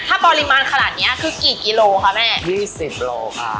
ถ้าปริมาณขนาดเนี้ยคือกี่กิโลค่ะแม่ยี่สิบโลค่ะ